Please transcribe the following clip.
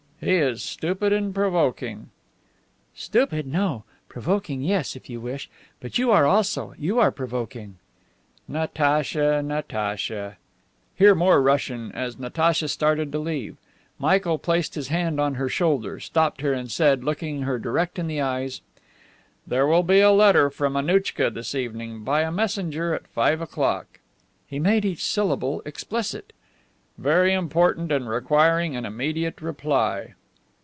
"He is stupid and provoking." "Stupid, no. Provoking, yes, if you wish. But you also, you are provoking." "Natacha! Natacha!" (Here more Russian.) As Natacha started to leave, Michael placed his hand on her shoulder, stopped her and said, looking her direct in the eyes: "There will be a letter from Annouchka this evening, by a messenger at five o'clock." He made each syllable explicit. "Very important and requiring an immediate reply."